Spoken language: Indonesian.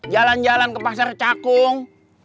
jalan jalan ke pasar cakung